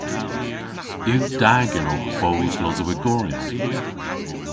Yw da genowgh boos losowegoryon?